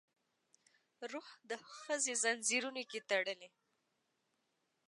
روح د ښځې ځنځیرونو کې تړلی